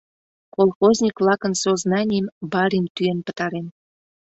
Колхозник-влакын сознанийым «барин» тӱен пытарен.